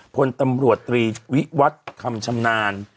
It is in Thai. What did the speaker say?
พลตำรวจตรีวิวัตรคำชำนาญ